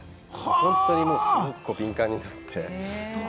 本当にすごく敏感になって。